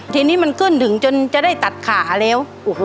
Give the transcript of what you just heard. ทีนี้มันขึ้นถึงจนจะได้ตัดขาแล้ว